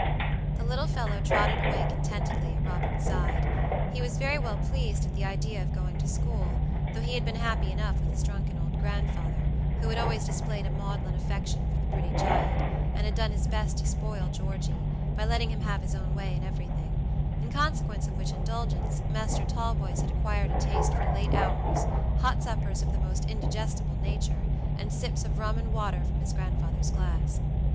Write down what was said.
The little fellow trotted away contentedly at Robert's side. He was very well pleased at the idea of going to school, though he had been happy enough with his drunken old grandfather, who had always displayed a maudlin affection for the pretty child, and had done his best to spoil Georgey, by letting him have his own way in everything; in consequence of which indulgence, Master Talboys had acquired a taste for late hours, hot suppers of the most indigestible nature, and sips of rum and water from his grandfather's glass.